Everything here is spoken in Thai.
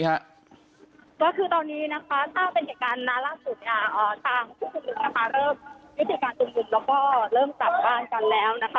แล้วก็เริ่มสั่งบ้านกันแล้วนะคะ